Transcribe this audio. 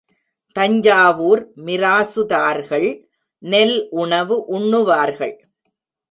தஞ்சாவூர் மிராசுதார்கள் நெல் உணவு உண்ணுவார்கள்.